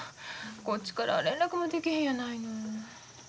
こっちから連絡もでけへんやないの。